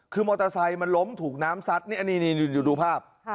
คือมอเตอร์ไซค์มันล้มถูกน้ำซัดนี่อันนี้ดูภาพ